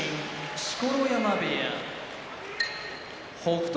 錣山部屋北勝